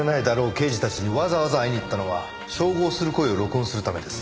刑事たちにわざわざ会いに行ったのは照合する声を録音するためです。